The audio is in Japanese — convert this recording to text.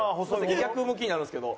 逆向きになるんですけど。